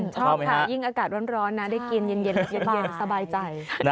ชอบค่ะยิ่งอากาศร้อนนะได้กินเย็นสบายใจ